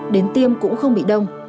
đến tiêm cũng không bị đông